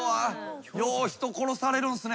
よう人殺されるんすね。